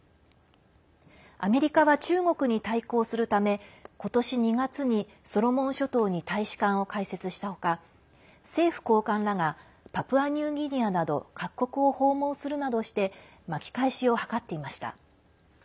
アメリカは中国に対抗するため今年２月に、ソロモン諸島に大使館を開設した他政府高官らがパプアニューギニアなど各国を訪問するなどして巻き返しを図っていました。